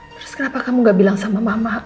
terus kenapa kamu gak bilang sama mama